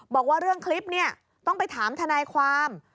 บอกว่าเรื่องคลิปเนี่ยต้องไปถามทนายความ